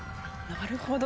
あなるほど。